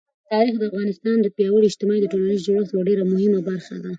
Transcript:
تاریخ د افغانستان د پیاوړي اجتماعي او ټولنیز جوړښت یوه ډېره مهمه برخه ده.